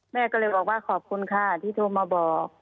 แม่ก็เลยบอกว่าขอบคุณค่ะที่โทรมาบอก